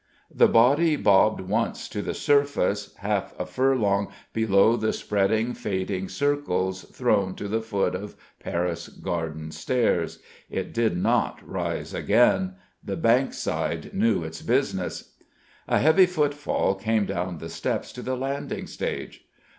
The body bobbed once to the surface, half a furlong below the spreading, fading circles thrown to the foot of Paris Garden Stairs. It did not rise again. The Bankside knew its business. A heavy footfall came down the steps to the landing stage.